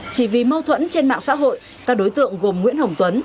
chỉ vì mâu thuẫn trên mạng xã hội các đối tượng gồm nguyễn hồng tuấn